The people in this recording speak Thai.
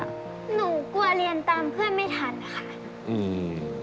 หนูกลัวเรียนตามเพื่อนไม่ทันค่ะอืม